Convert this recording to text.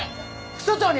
副署長に！？